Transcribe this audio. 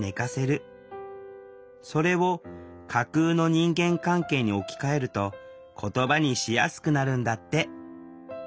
それを架空の人間関係に置き換えると言葉にしやすくなるんだって！